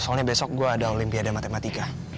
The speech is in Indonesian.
soalnya besok gue ada olimpiade matematika